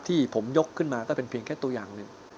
ที่ผมยกขึ้นมาก็เป็นเพียงแค่ตัวอย่างหนึ่ง